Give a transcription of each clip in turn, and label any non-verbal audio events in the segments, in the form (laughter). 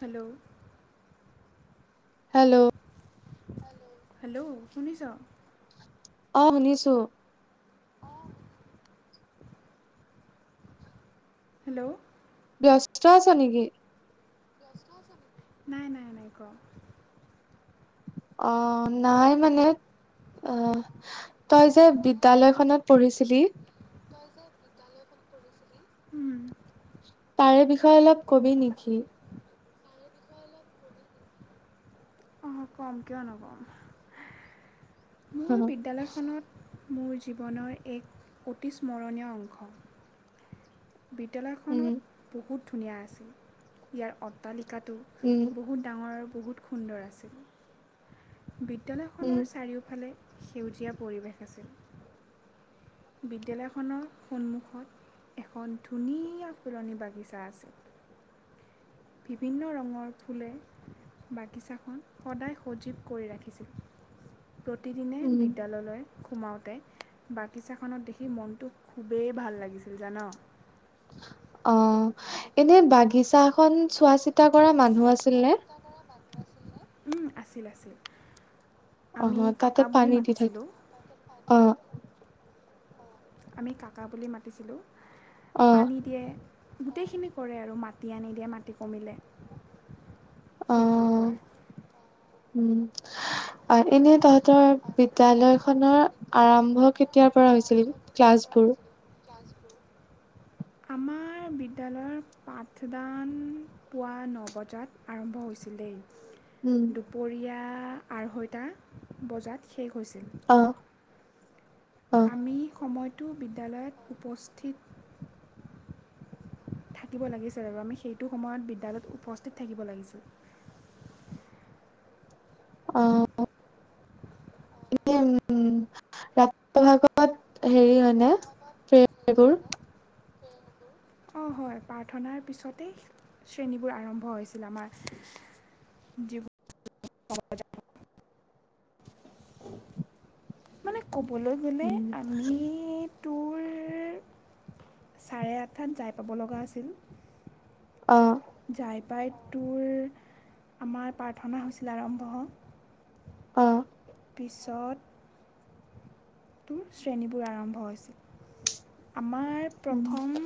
Hello. Hello. Hello শুনিছ। অ শুনিছো। হেল্ল'। ব্যস্ত আছ নেকি? নাই নাই নাই ক। অ নাই মানে অ তই যে বিদ্যালয়খনত পঢ়িছিলি। উম্ তাৰে বিষয়ে অলপ কবি নেকি? অ কম কিয় নকম। মোৰ উম বিদ্যালয়খনত। মোৰ জীৱনৰ এক অতি স্মৰণীয় অংশ। বিদ্যালয়খনত বহুত। ধুনীয়া আছিল ইয়াৰ অট্টালিকা। উম লিকাটো বহুত ডাঙৰ। বহুত সুন্দৰ আছিল উম বিদ্যালয়খনৰ চাৰিওফালে। সেউজীয়া পৰিৱেশ আছিল। বিদ্যালয়খনৰ সন্মুখত এখন ধুনীয়া ফুলনি বাগিচা আছে। বিভিন্ন ৰঙৰ ফুলে বাগিচাখন সদায় সজীৱ কৰি ৰাখিছিল। প্ৰতিদিনে উম বিদ্যালয়লৈ। সোমাওঁতে বাগিচাখনত দেখি মনটো খুবেই ভাল লাগিছিল জান। অ এনে বাগিচাখন চোৱা চিতা কৰা মানুহ আছিল নে? ও আছিল আছিল। আহ আমি তাতে কাকা বুলি পানী দি থাকি মাতিছিলোঁ আহ। আমি কাকা বুলি মাতিছিলোঁ। অ পানী দিয়ে গোটেইখিনি কৰে আৰু মাটি আনি দিয়ে মাটি কমিলে অ সেইবোৰ কৰে উম আৰু এনেই তহত ৰ বিদ্যয়ালয় খনৰ আৰম্ভ কেতিয়াৰ পৰা হৈছিল ক্লাছবোৰ? আমাৰ বিদ্যালয়ৰ পাঠদান পুৱা ন বজাত আৰম্ভ হৈছিল উম দেই- দুপৰীয়া আঢ়ৈটা বজাত শেষ হৈছিল অ অ আমি সময়ত টো বিদ্যালয়ত উপস্থিত থাকিব লাগিছিল আৰু আমি সেইটো সময়ত বিদ্যালয়ত উপস্থিত থাকিব লাগিছিল। আহ এনে উ ৰাতিপুৱা ভাগত হেৰি হয় নে প্ৰেবোৰ? অঁ হয় প্ৰাৰ্থনাৰ পিছতেই শ্ৰেণীবোৰ আৰম্ভ হৈছিল আমাৰ যিবোৰ মানে ক'বলৈ গ'লে উম, আমি তোৰ চাৰে আঠতাত যাই পাব লগা আছিল। অ প্ৰাই টোৰ আমাৰ প্ৰাৰ্থনা হৈছিল আৰম্ভ - অ পিছত শ্ৰেণীবোৰ আৰম্ভ হৈছিল‌। আমাৰ উম, প্ৰথম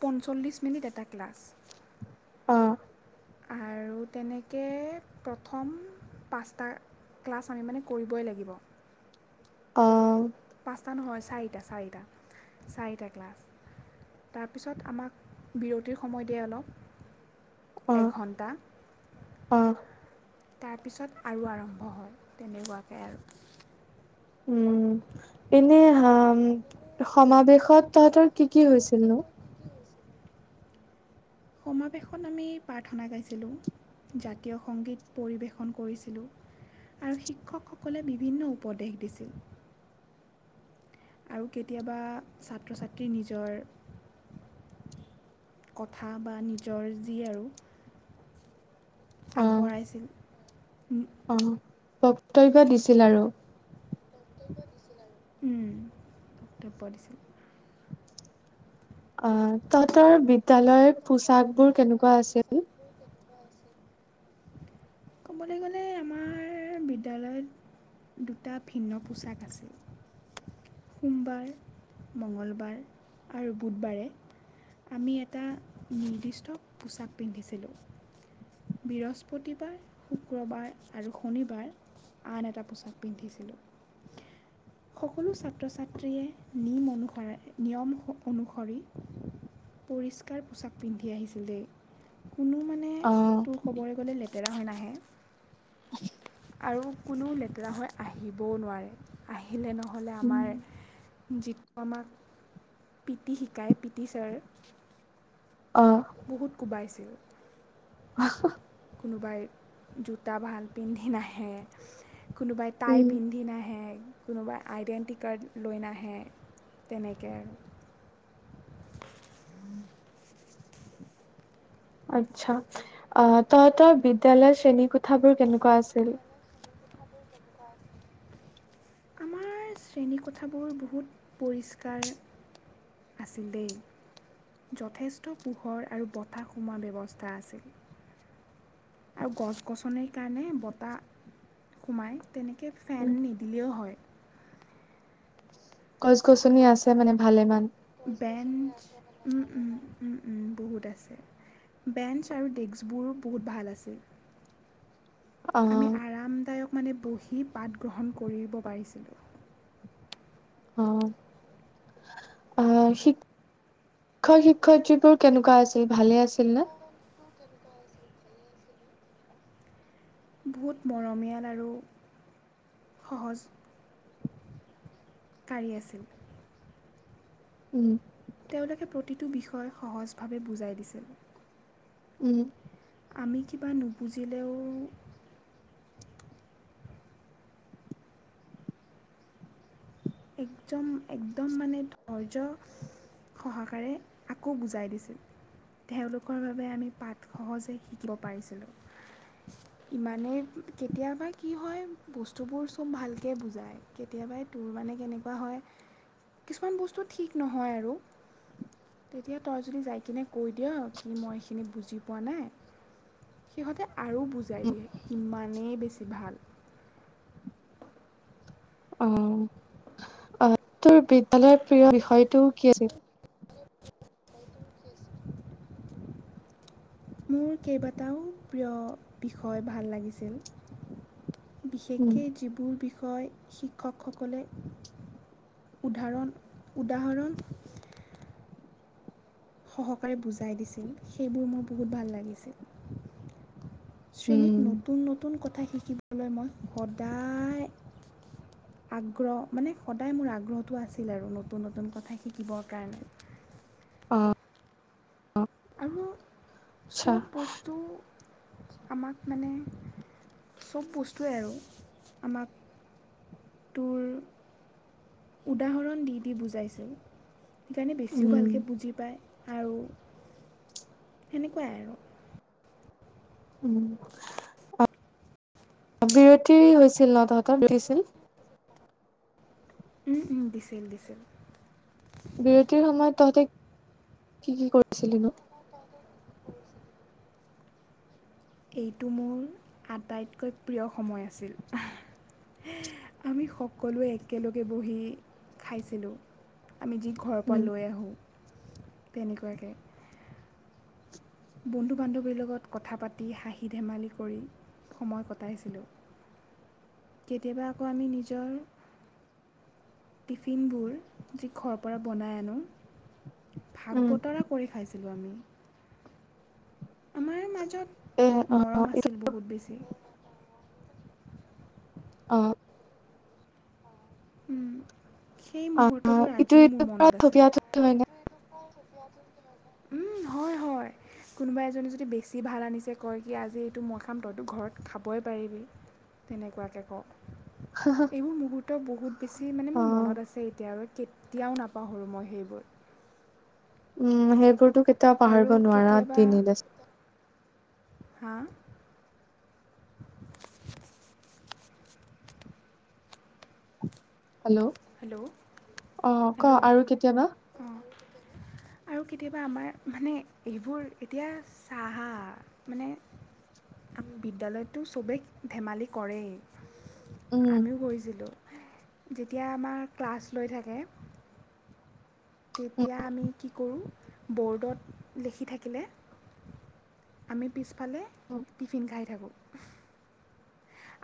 পঞ্চল্লিছ মিনিট এটা ক্লাছ অ আৰু তেনেকে প্ৰথম পাঁচটা ক্লাছ আমি মানে কৰিবই লাগিব, অ পাঁচটা নহয় চাৰিটা চাৰিটা চাৰিটা ক্লাছ তাৰপিছত আমাক বিৰতিৰ সময় দিয়ে অলপ অ', এঘণ্টা অ', তাত পিছত আৰু আৰম্ভ হয় তেনেকোৱাকৈ আৰু উম এনে হ সমাৱেশত তহতৰ কি কি হৈছিল নো? সমাৱেশত আমি প্ৰাৰ্থনা গাইছিলোঁ, জাতীয় সংগীত পৰিৱেশন কৰিছিলোঁ আৰু শিক্ষকসকলে বিভিন্ন উপদেশ দিছিল আৰু কেতিয়াবা ছাত্ৰ ছাত্ৰী নিজৰ কথা বা নিজৰ যি আৰু অ', আগবঢ়াইছিল অ'। বক্তব্য দিছিল আৰু। উম তব্য দিছিল। অ তহঁতৰ বিদ্যালয় পোচাকবোৰ কেনেকুৱা আছিল? ক'বলৈ গ'লে আমাৰ বিদ্যালয়ত দুটা ভিন্ন পোচাক আছিল। সোমবাৰ, মঙ্গলবাৰ আৰু বুধবাৰে আমি এটা নিৰ্দিষ্ট পোছাক পিন্ধিছিলোঁ। বৃহস্পতিবাৰ, শুক্ৰবাৰ আৰু শনিবাৰ আন এটা পোছাক পিন্ধিছিলোঁ। সকলো ছাত্ৰ ছাত্ৰীয়ে নিম অনুস নিয়ম অনুসৰি পৰিষ্কাৰ পোছাক পিন্ধি আহিছিল দেই। কোনো মানে, অ', তোৰ খবৰে গ'লে লে তেৰা হৈ নাহে (inaudible) আৰু কোনো লেতেৰা হৈ আহিবও নোৱাৰে। আহি আহিলে নহ'লে আমাৰ উম। যিটো আমাক পিটি শিকায় পিটি ছাৰ। অ', বহুত কোবাইছে (inaudible) (inaudible) কোনোবাই জোতা ভাল পিন্ধি নাহে। কোনোবাই টাই উম, পিন্ধি নাহে। কোনোবাই আইডেণ্টি কাৰ্ড লৈ নাহে। তেনেকৈ আৰু আচ্ছা। আহ তহত বিদ্যালয়ৰ শ্ৰেণী কোঠাবোৰ কেনেকুৱা আছিল? আমাৰ শ্ৰেণীকোঠাবোৰ বহুত পৰিষ্কাৰ আছিল দেই। যথেষ্ট পোহৰ আৰু বতাহ সোমোৱা ব্যৱস্থা আছিল। আৰু গছ গছনিৰ কাৰণে বতাহ সোমায় তেনেকৈ ফেন নিদিলেও হয়। গছ গছনি আছে মানে ভালে মান। বেঞ্চ, উম উম উম উম বহুত আছে। বেঞ্চ আৰু ডেস্কবোৰ বহুত ভাল আছিল। আমি অ', আৰামদায়ক মানে বহি পাঠ গ্ৰহণ কৰিব পাৰিছিলোঁ। অ আহ শিক্ষক শিক্ষয়িত্ৰীবোৰ কেনেকুৱা আছিল ভালে আছিল নে? বহুত মৰমীয়াল আৰু সহজ। কাঢ়ী আছিল উম তেওঁলোকে প্ৰতিটো বিষয় সহজভাৱে বুজাই দিছিল। উম আমি কিবা নুবুজিলেও, একদম একদম মানে ধৈৰ্য সহকাৰে আকৌ বুজাই দিছিল। তেওঁলোকৰ বাবে আমি পাঠ সহজে শিকিব পাৰিছিলো। ইমানেই কেতিয়াবা কি হয় বস্তুবোৰ চব ভালকে বুজায় কেতিয়াবাই তোৰ মানে, কেনেকুৱা হয় কিছুমান বস্তু ঠিক নহয় আৰু। তেতিয়া তই যদি যাই কিনে কৈ দিয় কি মই এইখিনি বুজি পোৱা নাই সিহঁতে আৰু বুজাই দিয়ে ইমানেই বেছি ভাল। অ তোৰ বিদ্যালয়ৰ প্ৰিয় বিষয়টো কি আছিল? মোৰ কেইবাটাও প্ৰিয় বিষয় ভাল লাগিছিল। উম, বিশেষকে যিবোৰ বি বিষয় শিক্ষকসকলে, উদাহৰণ উদাহৰণ সহকাৰে বুজাই দিছিল। সেইবোৰ মোৰ বহুত ভাল লাগিছিল। উম, শ্ৰেণীত নতুন নতু নতুন কথা শিকিবলৈ মই সদায় আগ্ৰহ মানে, সদায় মোৰ আগ্ৰহটো আছিল আৰু নতুন নতুন কথা শিকিবৰ কাৰণে। আৰু আচ্ছা, সব বস্তু আমাক মানে চব বস্তুৱেই আৰু আমাক তোৰ উদাহৰণ দি দি বুজাইছিল সেইকাৰণে বেছিও উম, ভালকৈ বুজি পায় আৰু সেনেকোৱাই আৰু উম বিৰতি হৈছিল ন তহঁতৰ বিৰতিছিল দিচিল দিচিল বিৰতিৰ সময়ত তহঁতে কি কি কৰিছিলো এইটো মোৰ আটাইতকৈ প্ৰিয় সময় আছিল আমি সকলোৱে একেলগে বহি খাইছিলোঁ আমি যি ঘৰৰ পৰা উম, লৈ আহোঁ তেনেকোৱাকে বন্ধু বান্ধৱীৰ লগত কথা পাতি হাঁহি ধেমালি কৰি সময় কটাইছিলোঁ কেতিয়াবা আকৌ আমি নিজৰ টিফিনবোৰ যি ঘৰৰ পৰা বনাই আনো ভাগ উম, বতৰা কৰি খাইছিলোঁ আমি আমাৰ এ মাজত অ', মৰম এইটো আছিল বহুত বেছি অহ উম সেই আহ মুহূৰ্তবোৰ ইটো আজিও মোৰ ইটোৰ পৰা মনত আছে থপিয়াই থপি হয়নে? হয় হয় কোনোবা এজনী যদি বেছি ভাল আনিছে কয় কি আজি এইটো মই খাম তইতো ঘৰত খাবই পাৰিবি তেনেকোৱাকৈ ক এইবোৰ মুহূৰ্ত বহুত বেছি মানে মোৰ অ', মনত আছে কেতিয়া কেতিয়াও নাপাহৰোঁ মই সেইবোৰ উম হেইবুটো কেতিয়াও আৰু পাহৰিব নোৱাৰা কেতিয়াবা দিন হা হেল্ল' হেল্ল' অ ক হেল্ল' আৰু কেতিয়াবা অঁ আৰু কেতিয়াবা আমাৰ মানে এইবোৰ এতিয়া চাহ মানে আ বিদ্যালয়তো চবেই ধেমালি কৰেই উম, আমিও কৰিছিলোঁ যেতিয়া আমাৰ ক্লাছ লৈ থাকে তেতিয়া আমি কি কৰোঁ বৰদ্দ দেখি থাকিলে আমি ফালে টিফিন খাই থাকোঁ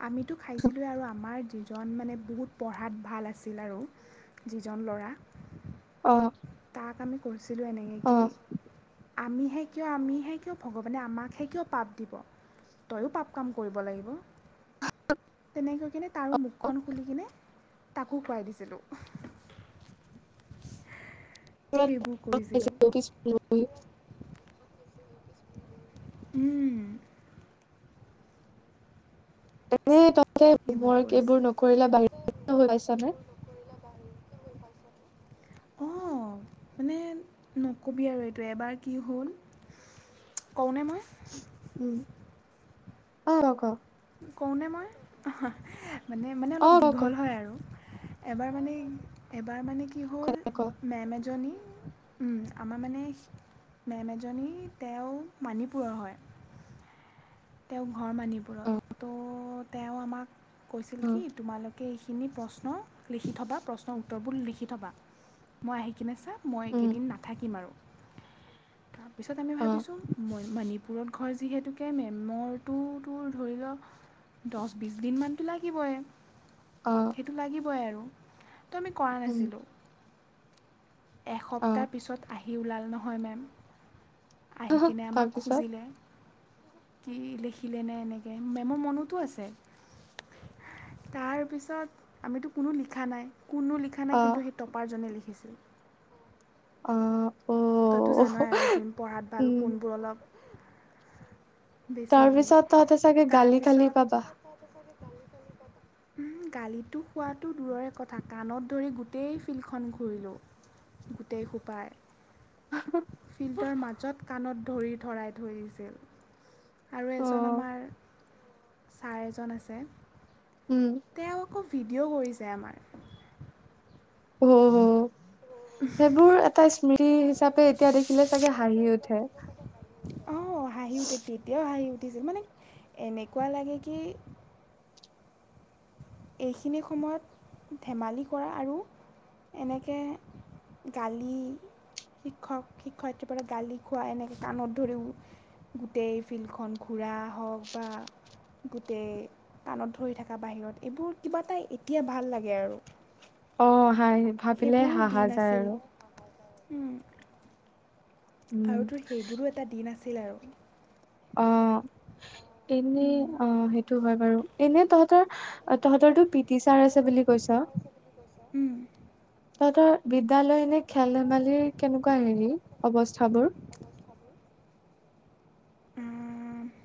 আমিতো খাইছিলোঁ এই আৰু আমাৰ যি জন মানে বহুত পঢ়াত ভাল আছিল আৰু যিজন ল'ৰা অহ তাক আ কৰি বুছিলছিলোঁ এনেকে কি আমিহে কিয় আমিহে কিয় ভগৱানে আমাকহে কিয় পাপ দিব তয়ো পাপ কাম কৰিব লাগিব তেনেকৈ কিনে তাৰো মুখখন খুলি কিনে তাকো খুৱাই দিছিলোঁ। সেইবোৰ (unintelligible) কৰিছিলোঁ হয় উম এ সবোৰ কৰিছো মইতে হৈ পাইছানে? এইবোৰ নকৰিলে অ' মানে নকবি আৰু এইটো এবাৰ কি হ'ল কওনে মই উম অ' ক কওঁনে মই অহ মানে মানে অ' অলপ ক দীঘল হয় আৰু এবাৰ মানে এবাৰ মানে কি ক হ'ল ক মেম এজনী আমাৰ মানে মেম এজনী তেওঁ মানিপুৰৰ হয়। তেওঁ ঘৰ অ' মণিপুৰত ত' তেওঁ আমাক কৈছিল অ' কি তোমালোক এইখিনি প্ৰশ্ন লিখি থ'বা প্ৰশ্নৰ উত্তৰবোৰ লিখি থ'বা মই আহি কিনে চা উম, মইকেইদিন নাথাকিম আৰু পিছত আমি অ' ভাবিছো মানি পুৰত ঘৰ যিহেতুকে মে মৰটো তোৰ ধৰি লও দহ বিছ দিনমানতো লাগিবই অ' সেইটো লাগিবই আৰু তো আমি কৰা উম, নাছিলোঁ এসপ্তাহ অ' পিছত আহি হিউলাল নহয় মেম আহি কিনে আমাক তাৰপিছত খুজিলে কি লিখিলেনে এনেকৈ মেমৰ মনতো আছে তাৰপিছত আমিতো কোনো লিখা নাই কোনো লিখা নাই অ' কিন্তু সেই টপাৰজনে লিখিছে উ অ' তইতো অ' জানয়ে আৰু যোন পঢ়াত ভাল উম, কোনবোৰ অলপ বেছি হে তাৰপিছত তহঁতে চাগে গালি খালি পাবা তাৰপিছত গালিটো খোৱাটো দূৰৰে কথা কাণত ধৰি গোটেই ফিল্ডখন ঘূৰিলোঁ গোটেই খোপাই ফিল্দৰ মাজত কাণত, ধৰি ধৰাই থৈ দিছিল। আৰু এজন অ' আমাৰ ছাৰ এজন আছে উম, তেওঁ আক ভিডিঅ' কৰিছে আমাৰ উম হম সেইবোৰ এটা সেইবোৰ হিচাপে এতিয়া দেখিলে চাগে হাঁহি উঠে। স্মৃতি হিচাপে এতিয়া দেখিলে চাগে হাঁহি উঠে (inaudible) অ হাঁহি উঠে তেতিয়াও হাঁহি উ ঠিছিল মানে এনেকুৱা লাগে কি এইখিনি সময়ত ধেমালি কৰা আৰু এনেকে গালি, শিক্ষক শিক্ষয়িত্ৰীৰ পৰা গালি খোৱা, এনেকে কাণত ধৰি উ - গোটেই ফিল্ডখন ঘূৰা। হওক বা (inaudible) গোটেই কাণত ধৰি থাকা বাহিৰত এইবোৰ কিবা এটা এতিয়া ভাল লাগে আৰু অ'। হয় ভাবিলে সেইবোৰো হাহা দিন যায় আছিল আৰু। উম। উম, আৰু তোৰ সেইবোৰো এটা দিন আছে আছিল আৰু আহ এনেই উম। অ সেইটো হয় বাৰু এনে তহতৰ তহতৰো পিটি ছাৰ আছে বুলি কৈছ উম তহতৰ বিদ্যালয় নে খেল ধেমালিৰ কেনেকুৱা হেৰি অৱস্থাবোৰ? আ